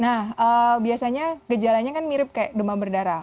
nah biasanya gejalanya kan mirip kayak demam berdarah